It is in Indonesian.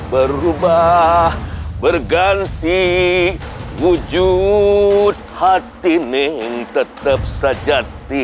berubah berganti wujud hati nih tetap sejati